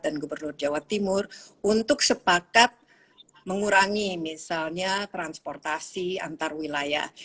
dan gubernur jawa timur untuk sepakat mengurangi misalnya transportasi antar wilayah